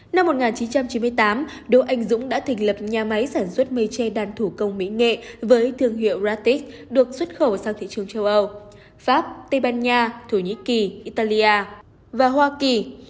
năm một nghìn chín trăm chín mươi tám đỗ anh dũng đã thành lập nhà máy sản xuất mây tre đàn thủ công mỹ nghệ với thương hiệu ratic được xuất khẩu sang thị trường châu âu pháp tây ban nha thổ nhĩ kỳ italia và hoa kỳ